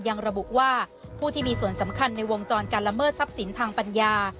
ยังระบุว่าผู้ที่มีส่วนสำคัญในวงจรการละเมิดทรัพย์สินทางปัญญา